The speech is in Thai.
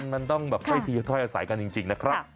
มันต้องให้ที่ท้อยอาศัยกันจริงนะครับ